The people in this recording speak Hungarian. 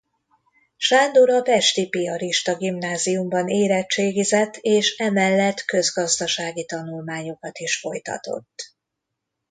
Sándor a pesti piarista gimnáziumban érettségizett és emellett közgazdasági tanulmányokat is folytatott.